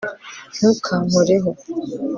ntukankoreho